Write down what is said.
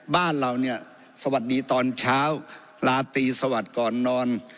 บ้านเราเนี่ยสวัสดีตอนเช้าลาตีสวัสดิ์ก่อนนอน